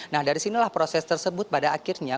nah dari sinilah proses tersebut pada akhirnya